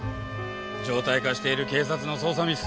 常態化している警察の捜査ミス